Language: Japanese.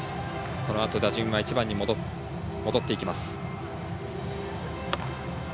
このあと打順は１番に戻っていきます。